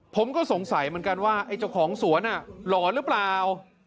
ผมก็สงสัยเหมือนกันว่าไอ้เจ้าของสวนหลอนหรือเปล่า